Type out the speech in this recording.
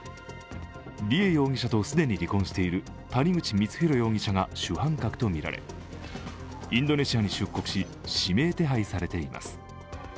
梨恵容疑者と既に離婚している谷口光弘容疑者が主犯格とみられインドネシアに出国し、指名手配されています。